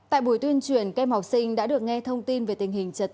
tại buổi tuyên truyền các em học sinh đã được nghe thông tin về tình hình trật tự